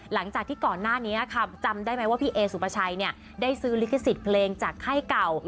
หลังจากที่ก่อนหน้านี้ค่ะจำได้ไหมว่าพี่เอสุปชัยได้ซื้อลิขสิทธิ์เพลงจากค่ายเก่า